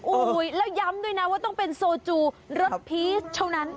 โอ้โหแล้วย้ำด้วยนะว่าต้องเป็นโซจูรสพีชเท่านั้น